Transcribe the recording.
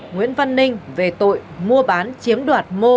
nguyễn văn ninh về tội mua bán chiếm đoạt mô